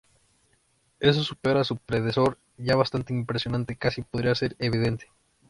Eso supera a su predecesor ya bastante impresionante casi podría ser evidente.